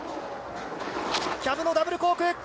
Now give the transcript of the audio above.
キャブのダブルコーク。